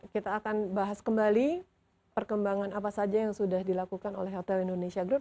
kita akan bahas kembali perkembangan apa saja yang sudah dilakukan oleh hotel indonesia group